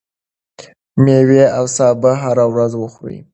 ميوې او سابه هره ورځ وخورئ.